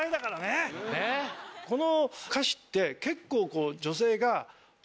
この歌詞って結構。